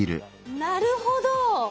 なるほど！